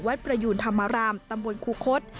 ประยูนธรรมรามตำบลคูคศ